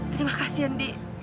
terima kasih andi